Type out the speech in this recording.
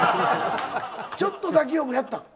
「ちょっとだけよ」もやったん？